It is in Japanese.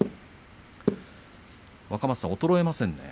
若松さん、衰えませんね。